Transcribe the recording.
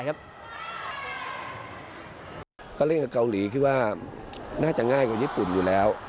เคราหรี่ก็คิดว่าน่าจะง่ายกว่ายิปุ่นอยู่แล้ว